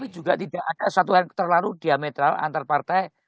juga tidak ada suatu hal terlalu diametral antar partai